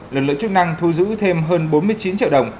lực lượng chức năng thu giữ thêm hơn bốn mươi chín triệu đồng